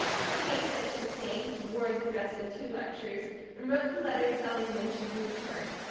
Kate sent her thanks, wore the dress to two lectures, and wrote the letter telling when she would return.